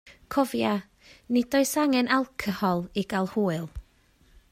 Cofia, nid oes angen alcohol i gael hwyl